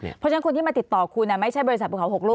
เพราะฉะนั้นคนที่มาติดต่อคุณไม่ใช่บริษัทภูเขา๖ลูก